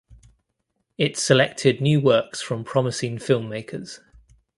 It selected new works from promising filmmakers.